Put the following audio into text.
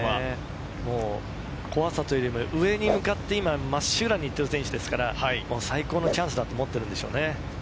怖さというより、上に向かってまっしぐらに行っている選手ですから、最高のチャンスだと思っているでしょうね。